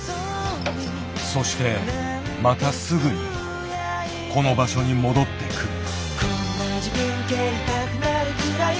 そしてまたすぐにこの場所に戻ってくる。